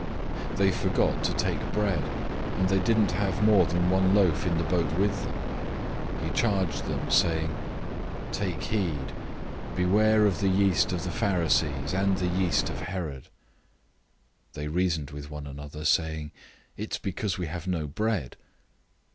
008:014 They forgot to take bread; and they didn't have more than one loaf in the boat with them. 008:015 He charged them, saying, "Take heed: beware of the yeast of the Pharisees and the yeast of Herod." 008:016 They reasoned with one another, saying, "It's because we have no bread."